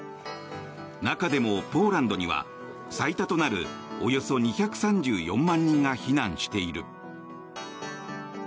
中でもポーランドには最多となるおよそ２３４万人が避難している。